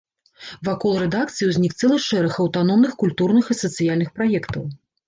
Вакол рэдакцыі ўзнік цэлы шэраг аўтаномных культурных і сацыяльных праектаў.